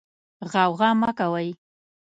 غوغا مه کوئ.